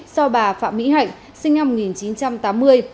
do bà phạm mỹ hạnh sinh năm một nghìn chín trăm tám mươi